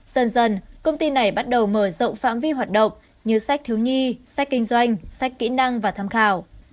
dần dần công ty này bắt đầu mở rộng phạm vi hoạt động như sách thiếu nhi sách kinh doanh sách kỹ năng và tham khảo